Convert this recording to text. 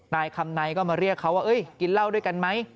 นายคำในก็มาเรียกเขาว่ากินเหล้าด้วยกันไหม